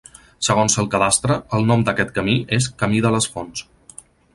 Segons el Cadastre, el nom d'aquest camí és Camí de les Fonts.